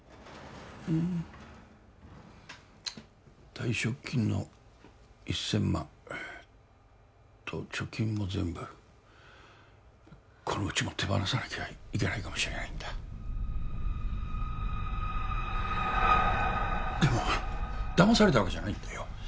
うん退職金の１０００万と貯金も全部この家も手放さなきゃいけないかもしれないんだでもだまされたわけじゃないんだよ